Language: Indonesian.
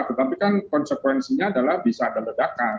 tetapi kan konsekuensinya adalah bisa ada ledakan